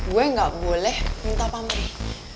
gue gak boleh minta pamrih